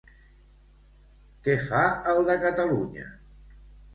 Què fa el de Catalunya?